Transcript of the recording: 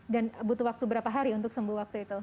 dan butuh waktu berapa hari untuk sembuh waktu itu